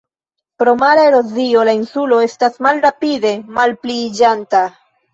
Pro mara erozio, la insulo estas malrapide malpliiĝanta.